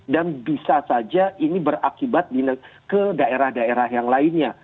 dan bisa saja ini berakibat ke daerah daerah yang lainnya